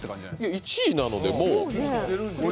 １位なのでもう。